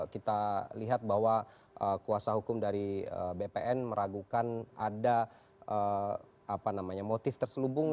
kita lihat bahwa kuasa hukum dari bpn meragukan ada motif terselubung